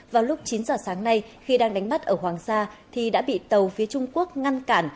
vào lúc chín giờ sáng nay khi đang đánh bắt ở hoàng sa thì đã bị tàu phía trung quốc ngăn cản